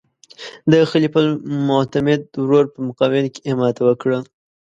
د خلیفه المعتمد ورور په مقابل کې یې ماته وکړه.